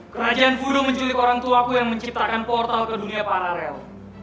kerajaan fudo menculik orangtuaku yang menciptakan portal ke dunia paralel